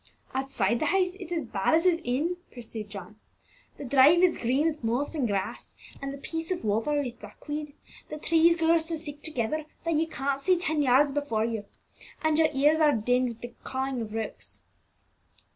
"Outside the house it's as bad as within," pursued John. "The drive is green with moss and grass, and the piece of water with duckweed; the trees grow so thick together that you can't see ten yards before you; and your ears are dinned with the cawing of rooks."